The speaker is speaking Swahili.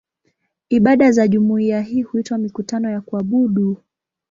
Ibada za jumuiya hii huitwa "mikutano ya kuabudu".